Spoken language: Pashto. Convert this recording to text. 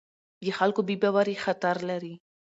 د خلکو بې باوري خطر لري